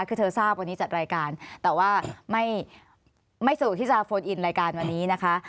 คือเธอทราบวันนี้จัดรายการแต่ว่าไม่สะดวกที่จะโฟนอินรายการวันนี้นะคะ